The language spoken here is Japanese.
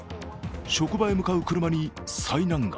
職場へ向かう車に災難が。